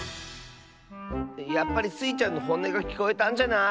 やっぱりスイちゃんのほんねがきこえたんじゃない？